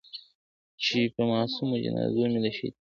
چي پر معصومو جنازو مي له شیطانه سره !.